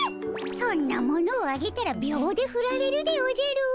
そんなものをあげたら秒でふられるでおじゃる。